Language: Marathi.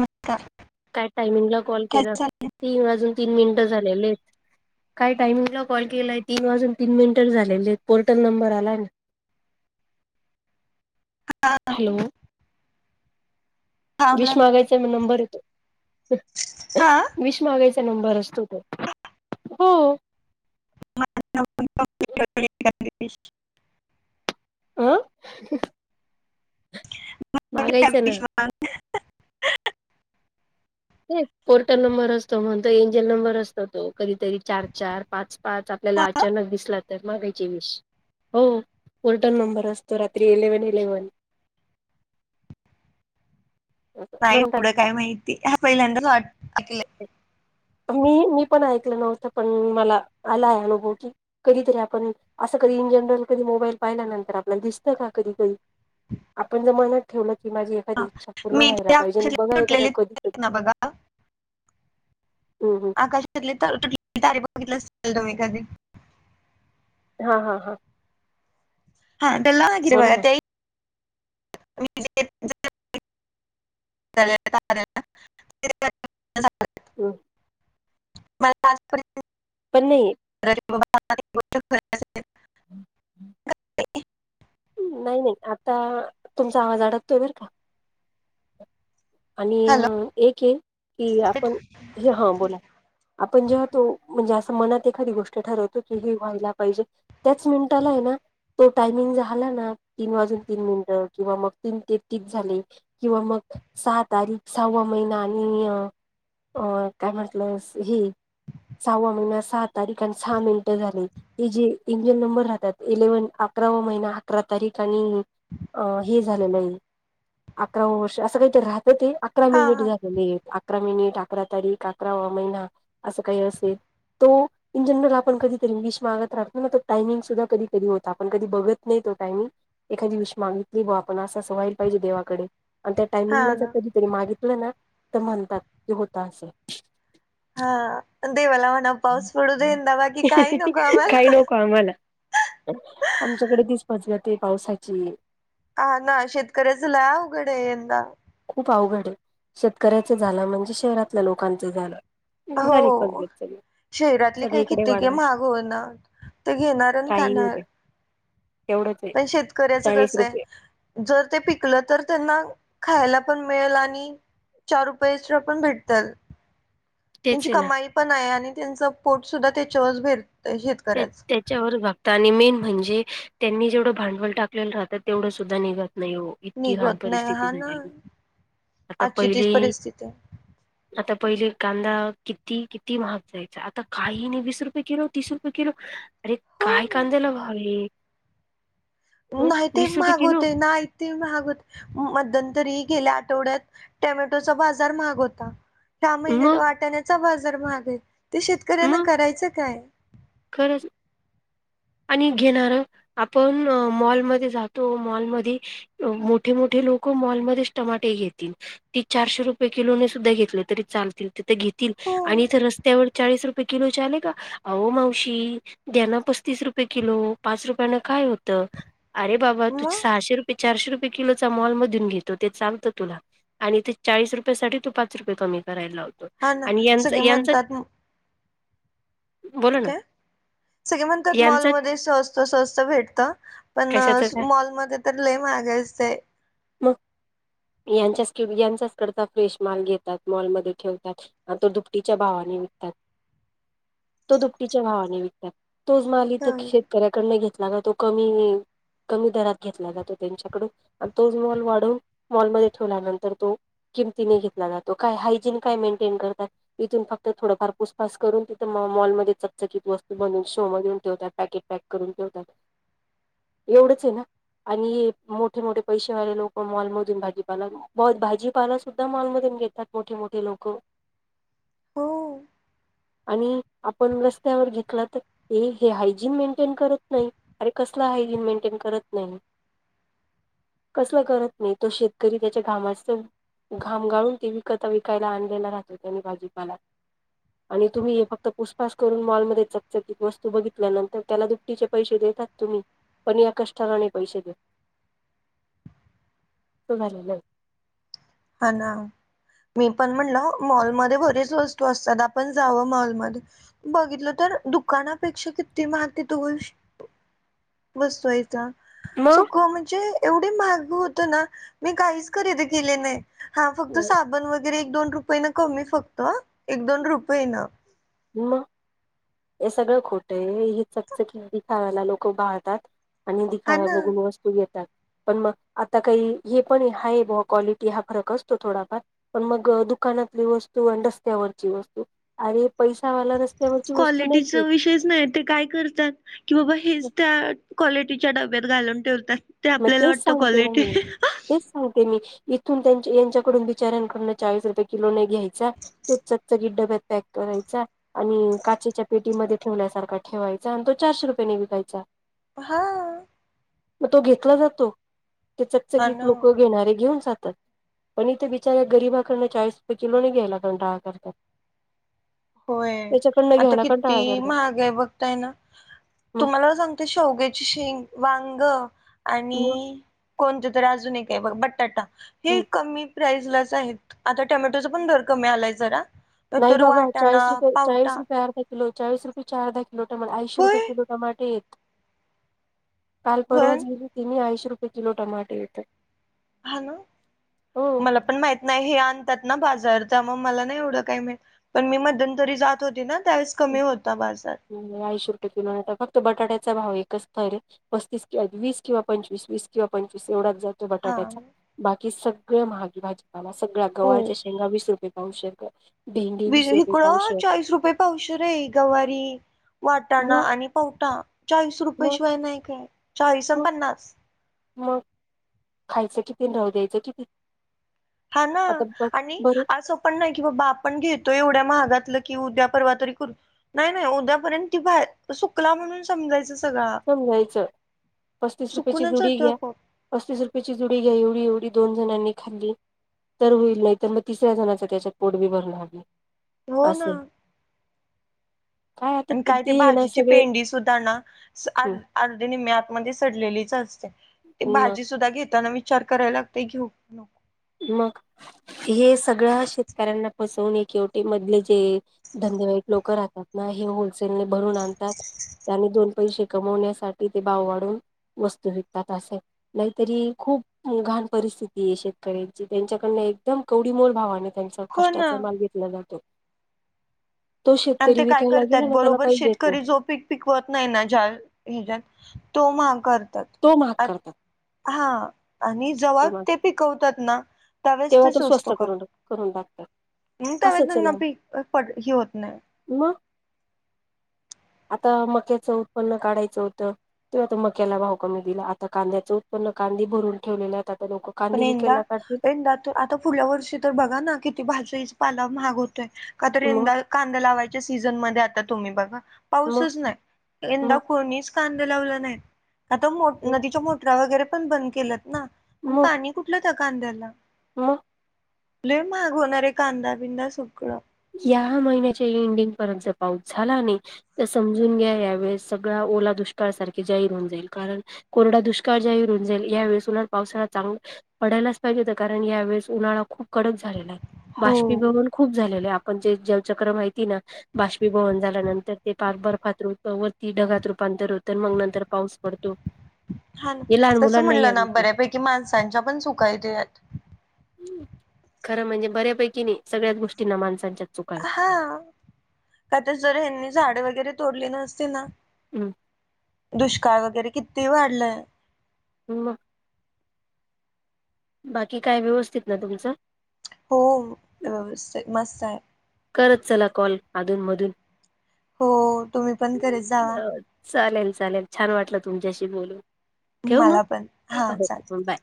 नमस्कार काय टायमिंगला कॉल काय केला चाललंय तीन वाजून तीन मिनिटं झालेलेत. काय टायमिंगला कॉल केलाय, तीन वाजून तीन मिनिट झालेलेय, पोर्टल नंबर आलाय ना. [unintelligible] हां. हॅलो विष ना मागायचा म नंबर येतो हा विष मागायचा. नंबर असतो हो. [unintelligible] अह. मागायचा ना [unintelligible] ते पोर्टल नंबर असतो म्हण तो एंजल नंबर असतो तो कधीतरी चार चार पाच. पाच हा, आपल्याला अचानक दिसला तर मागायचे विष. हो उलटन नंबर असतो रात्री एलेव्हन इलेव्हन. नाही म्हणतात एढं काय माहिती ह पहिल्यांदा. मी मी पण ऐकलं नव्हतं पण मला आलाय अनुभव की. कधीतरी आपण असं कधी इन जनरल कधी मोबाईल पाहिल्यानंतर आपल्या दिसतं का कधी कधी. आपण जर मनात ठेवलं की माझी. एखादी ह इच्छा पूर्ण मी व्हायला ते पाहिजे ना आकाशात बघा एखाद्या सुटलेली कधी कधी ना बघा. ह हं. आकाशलेु तारे बघितलं असेल तु् एहीाधी. हा हा हा. हा तेला हगर ब बोला ना ते. [unintelligible] [unintelligible] हम. मला आजपर्य. पण नाही. [unintelligible] गोष्ट खरं असेल. नाही नाही आता तुमचा आवाज अडकतोय बर का. आणि हॅलो एक आहे की आपण हे हा बोला. आपण जे तो म्हणजे असं मनात एखादी गोष्ट ठरवतो की हे व्हायला पाहिजे. त्याच मिनिटाला आहे ना. तो टायमिंग झाला ना तीन वाजून तीन मिनिटं किंवा मग तीन ते तीस झाली. किंवा मग. सहा तारीख सहावा महिना आणि अ काय म्हटलं हे. सहावा महिन्या सहा तारीख आणि सहा मिनिटं झाली. ते जे इंग्लन नंबर राहतात इलेव्हन अकरावा महिना अकरा तारीख आणि. अ हे झालेलं आहे अकराव वर्ष असं काही. तर राहत ते अकरा हा मिनिट हा झालं. अकरा मिनीिट अकरा तारीख अकरा वा महिना असं काही असेल तो. इन जनरल आपण कधीतरी विष मागत राहतो ना तो टायमिंग सुद्धा कधी कधी होता आपण कधी बघत नाही तो टायमिंग. एखाद विशी मागितली ब आपण असं असं व्हायला पाहिजे देवाकडे. आणि त्या हा टायमिंगला जर ना कधीतरी मागितलं ना तर म्हणतात की होत असं. हा देवाला म्हणा पाऊस पडू देंदा बाकी काही नको आम्हाला. कामला आमच्याकडे दिसपज जाते पावसाची. हा ना शेतकऱ्याच लया उघड आहे यंदा. खूप अवघड आहे शेतकऱ्याच झालं म्हणजे शहरातल्या लोकांच झालं. झाली हो पद्धत सगळी शरीरातले काही सगळीकडे किततीक वाढवा महाग हो ना. ते घेणारन काही येऊ खाणार. द्या तेवढंच आहे पण शेतकऱ्याचं चाळीस कस आहे. रुपये. जर ते पिकलं तर त्यांना खायला पण मिळेल आणि. चार रुपये पण भेटतल. तेच त्यांची आहे ना कमाई पण आहे आणि त्यांचं पोट सुद्धा त्याच्यावर भेर. तेच तेच.... च्या व भागत आणि मेन म्हणजे त्यांनी जेवढं भांडवल टाकलेलं राहतं तेवढं सुद्धा निघत नाही हो... इतकी घाण निघत नाही परिस्थिती हा ना झालेली. आता आजची तीच पहिले परिस्थिती आहे... आता पहिले कांदा किती किती महाग जायचा आता काहीने वीस रुपये किलो तीस रुपये... किलो अरे हो. काय हो. कांद्याला भाव... अं नाही ते वीस रुपये महाग किलो होते नाही ते महाग होते मध्यंतरी गेल्या आठवड्यात... टोमॅटोचा बाजार महाग होता.. ह्या महिन्यात मग वाटाण्याचा बाजार महाग आहे ते शेतकऱ्यांना मग करायचं काय... खरंच... आणि घेणार आपण मॉलमध्ये जातो मॉलमध्ये... मोठे मोठे लोक मॉलमध्येध्येच टमाटे घेतील... ती चारशे रुपये किलोने सुद्धा घेतली तरी चालतील... तथ घेतील हो आणि इथ रस्त्यावर चाळीस रुपये किलो आले का अह मा... शी द्याणा पस्तीस रुपये किलो पाच रुपयाना काय होतं? अरे बाबा तू मग सहाशे रुपये चारशे रुपये किलोचा मॉलमधून घेतो ते चालतं तुला आणि ते चाळीस रुपयाेसाठी तू पाच रुपये कमी करायला लावतो हा ना आणि यांचा सगळे यांचा म्हणतात... बोला ना.. काय सगळे म्हणतात यांचा मॉलमध्ये स्वस्त स्वस्त भेटत... पण कशाच काय मॉलमध्ये तर लय महाग असतय... मग यांच्या यांच्याच करता फ्रेश माल घेतात मॉलमध्ये ठेवतात... ह तो दुपटीच्या भावाने निघतात तो दुपटी.. भावाने विकतात तोच माल इथ शेतकऱ्याकडन घेतला जातो कमीने.. कमी दरात घेतला जातो त्यांच्याकडून आणि तोच मॉल वाढवून मॉलमध्ये ठेवल्यानंतर तो.. किमतीने घेतला जातो काय हायजीन काय मेंटेन करतात.. इथून फक्त थोडंफार पूचताच करून तिथं मॉलमध्ये... चकचकीत वस्तू बनून शो मऊन ठेवतात पॅकेट पॅक करून ठेवतात एवढंच आहे ना आणि मोठे मोठे पैसेवाले लोक मॉलमधून भाजीपाला... ब भाजीपाला सुद्धा मॉलमधून घेतात मोठे मोठे लोक... [unintelligible] आणि आपण रस्त्यावर घेतला तर हे हायजीन मेंटेन करत नाही... अरे कसला हायजीन मेंटेन करत नाही.. ह.. कसलं करत नाही तो शेतकरी त्याच्या घामाच... घामगाळून ते विकता विकायला आणलेला राहतो त्यांनी भाजीपाला.... आणि तुम्ही हे फक्त पुछताच... करून मॉलमध्ये चकचकीत वस्तू बघितल्यानंतर त्याला दुपटीचे पैसे देतात तुम्ही... पण या कष्टा नाही पैसे दे.. [unintelligible] तस झालं आहे बघ... हा ना मी पण म्हणलं मॉलमध्ये बरेच वस्तू असतात आपण जावं मॉलमध्ये... बघितलं तर दुकानापेक्षा किती महाग तिथ गोष्ट.. बसतो याचा.. मग सुख म्हणजे एवढे महाग होत ना मी काहीच खरेदी केले नाही... हा फक्त साबण वगैरे एक दोन रुपयेन कमी फक्त एक दोन रुपयेनं.. मग हे सगळं खोटं ही चकचकीत दिखाव्याला लोकं भाळतात... आणि हा दिखावा ना बघून वस्तू घेतात... पण मग आता काही हे पण हाय क्वालिटी हा फरक असतो थोडाफार... पण मग दुकानातली वस्तू आणि रस्त्यावरची वस्तू अरे पैसावाला रस्ते... क्वालिटीचा विषयच नाही ते काय कर तात कि बाबा हेच त्या क्वालिटीच्या डब्यात घालून ठेवता. ते मग आपल्याला तेच वाटतं सांगते ना क्वालिटी मी तेच सांगते मी इथून त्यां यांच्याकडून बिचाऱ्यांकडनं चाळीस रुपये किलो नाही घ्याय चा [unintelligible] डब्यात पॅक करायचा आणि काचेच्या पेटीमध्ये ठेवल्यासारखा ठेवायचा आणि तो चारशे रुपयाने विकायचा. हा. मग तो घेतला जातो ते हा चकचकीत ना लोक घेणारे घेऊन जातात. पण इथे बिचाराया गरीबाकडनं चाळीस रुपये किलो नी घ्यायला कंटाळा करतात. होय त्याच्याकडनं आता घ्याला कंटाळा किती करतात. महाग बघताय ना मग तुम्हाला सांगते शेवग्याची शेंग, वांगं मग आणि कोणतं तर अजून एक हाय बघ बटाटा हे कमी प्राईसलाच आहेत आता टोमॅटोचा पण दर कमी आलाय जरा तर नाही तरी बाबा वाट चाळीस रुपये चाळीस रुपये अर्धा किलो चाळीस रुपयेचे अर्धा किलो टमा ऐंशी रुपये होय किलो टमाटे आहेत. काल परवाच पण गेली होती मी ऐंशी रुपये किलो टमाटे येताय. हा ना मला पण माहि नाही हे आणतात ना बाजार तर मग मला नाही एवढं काय माहित पण मी मध्यून तरी जात होती ना त्यावेळेस कमी होता बाजार. म्हणले ऐंशी रुपये किलो आहे फक्त बटाट्याचा भाव एकचत आहे रे. पस्तीस किंवा वीस किवा पंचवीस वीस किंवा पंचवीस एवढच जात हा बटाट्याचा बाकी सगळं महागी भाजी पाला सगळ्या हो. गवारच्या, शेंगा वीस रुपये आवश्यक बीज इकडं चाळीस रुपये पावशेर आहे गवारी वाटाणा मग आणि पवटा चाळीस रुपये मग शिवाय नाही काय चाळीस आणि मग पन्नास मग खायचं कि तेन राहू द्यायचं कि ते हा ना आणि बरं असं पण नाही की बाबा आपण घेतो एवढ्या महागातलं की उद्या परवा तरी करू नाही-नाही उद्यापर्यंत ती बाहेर सुकला म्हणून समजायचं सगळा समजायचं पस्तीस रुपयाची सुकूनच जुडी जातो घ्या आपोआप पस्तीस रुपयाेची जुडी घेऊन. एवढी एवढी दोन जणांनी खाल्ली तर होईल. नाय तर मग तिसऱ्या जणाच त्याच्यात पोट बी भरणार नाय. हो ना. आणि काय ते, भाजीची पेंडी सुद्धा ना स हं अर्ध अर्धी निम्मी आतमध्ये सडलेलीच असते. ती मग भाजी सुद्धा घेताना मी विचार करायला लागतंय घेऊ की नको. मग, हे सगळ्या शेतकऱ्यांना फसवने केवटी मधले जे धंदेवाईक लोक राहतात ना, हे होलसेलने भरून आणतात त्यानी दोन पैसे कमवण्यासाठी ते भाव वाढवून वस्तू विकतात असे नाय तरी खूप घाण परिस्थिती ये शेत त्यांच्याकडन एकदम कवडीमोल भावाने त्यांचा हो ना कष्टाचा माल घेतला जातो. तो आणि शेतकरी ते काय विकायला गेला करतात ना त्याला बरोबर काहीच देत नाही. शेतकरी जो पीक पिकवत नाही ना ज्या हच्यात तो म करतात तो महाग आ करतात हा आणि जवळ तो महाग ते पिकवतात ना. त्यावेळेस तेव्हा ते तो स्वस्त करून करून टाकतो. त्या वद न पी प ह होत नाही. म्ह. आता मक्याचं उत्पन्न काढायचं होतं. त आता मक्याला भाऊ कमी दिला आता कांद्याचं उत्पन्न कांदी भरून ठेवले आहेत आता लोक. कांदे पनंदा विकायला काढतील यंदा. तर आता पुढल्या वर्षी तर बघा ना किती भाजरी पालाव महाग होतोय का तर मग यंदा कांदा लावायच्या सीझन मध्ये आता तुम्ही बघा मग पाऊसच नाही यंदा मग कोणी कां लावला नाही आता नदीच्या मोटरा वगैरे पण बंद केलत ना. प पाणी कुठलं का अध्याला म. ल महाग होणार आहे कांदा बिंदा सुगळां या महिन्याच्या एंडिंग परर्यंत ज पाऊस झाला नाही. तर समजून घ्या यावेेळेस सगळ ओला दुष्काळ सारखे जाहीर होऊन जाईल कारण कोरडा दुष्काळ जाय रुंजईल यावेळीसलार पावसाला चांगल्या. पडायलाच पाहिजे होत कारण यावेेळेस उन्हाळा खूप कडक झालेला आहे. हो बाष्पी भवन खूप झाले आहे. म्हणजे ज्याव चक्र माहिती ना बाष्पीभवन झाल्यानंतर ते पा बर्फात रूप वरती ढगात रूपांतर होत मग नंतर पाऊस पडतो. हा हे लहान तसं मुलांना या म्हणलं ना गोष्टी बऱ्यापैकी माणसांच्या पण सुकाय देत. खरं म्हणजे बऱ्यापैकी नाही सगळ्याच गोष्टींना माणसांच्या चुका आहेत. हा का ते जर हनी झाड वगैरे तोडली नअसते ना. हं, दुष्काळ वगैरे किती वाढलंय. ह्. बाकी काय व्यवस्थित ना तुमचं. हो व्यस्थ मस्त आहे. करत चला कॉल अधून-मधून. हो तुम्ही पण करेत जा. अ चालेल चालेल छान वाटलं तुमच्याशी बोलून ठेव मग मला पण हा हो चालेल बाय.